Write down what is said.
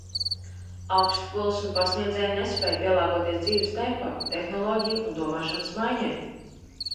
Augstskolas un pasniedzēji nespēj pielāgoties dzīves tempam, tehnoloģiju un domāšanas maiņai.